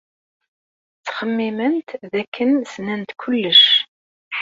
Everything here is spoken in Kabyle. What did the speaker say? Ttxemmiment dakken ssnent kullec.